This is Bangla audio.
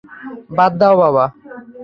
বাদ দাও বাবা!